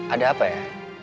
ada apa ya